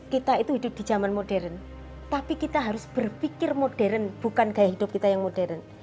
kita itu hidup di zaman modern tapi kita harus berpikir modern bukan gaya hidup kita yang modern